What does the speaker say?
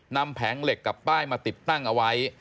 แผงเหล็กกับป้ายมาติดตั้งเอาไว้